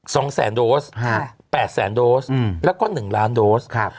สองแสนโดสฮะแปดแสนโดสอืมแล้วก็หนึ่งล้านโดสครับ